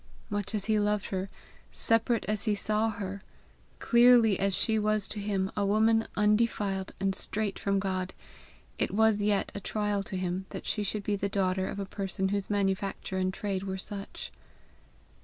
Much as he loved her, separate as he saw her, clearly as she was to him a woman undefiled and straight from God, it was yet a trial to him that she should be the daughter of a person whose manufacture and trade were such.